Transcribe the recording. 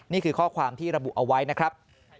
นี่คือข้อความที่ระบุเอาไว้นะครับ